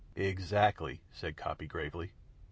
"Exactly," said Coppy, gravely.